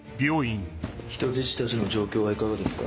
人質たちの状況はいかがですか？